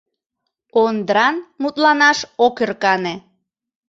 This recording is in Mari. Ондран мутланаш ок ӧркане.